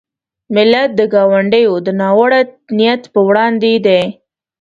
ملت د ګاونډیو د ناوړه نیت په وړاندې دی.